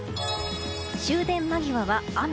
終電間際は雨。